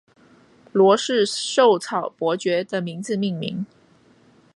罗氏绶草伯爵的名字命名。